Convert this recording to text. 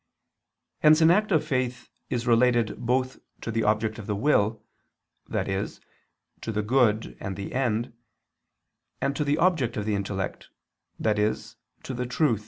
Hence an act of faith is related both to the object of the will, i.e. to the good and the end, and to the object of the intellect, i.e. to the true.